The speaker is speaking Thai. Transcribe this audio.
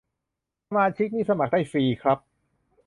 สมาชิกนี่สมัครได้ฟรีครับ